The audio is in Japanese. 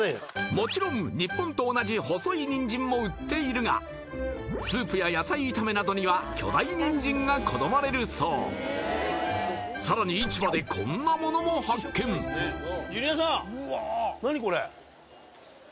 もちろん日本と同じ細いニンジンも売っているがスープや野菜炒めなどには巨大ニンジンが好まれるそうさらに市場でこんなものも発見ジュニアさん何これ？